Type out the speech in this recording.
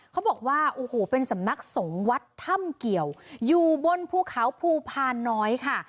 เขาบอกว่าโอ้โหเป็นสำนักสงฆ์วัดถ้ำเกี่ยวอยู่บนภูเขาภูพานน้อยค่ะ